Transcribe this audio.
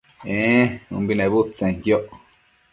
ee umbi nebudtsenquioc